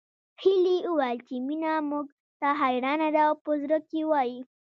هيلې وويل چې مينه موږ ته حيرانه ده او په زړه کې وايي